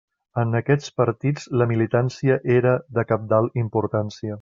En aquests partits la militància era de cabdal importància.